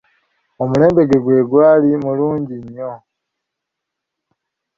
Omulembe gwe gwali mulungi nnyo.